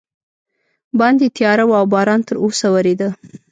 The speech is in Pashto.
باندې تیاره وه او باران تراوسه ورېده.